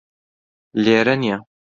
لێرە نییە